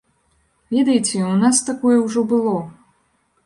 Ведаеце, у нас такое ўжо было.